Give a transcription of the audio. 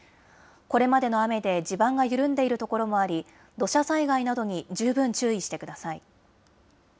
これまでの雨で、地盤が緩んでいる所もあり、土砂災害などに十分注意してください。